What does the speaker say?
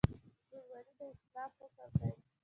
ورورولي د اسلام حکم دی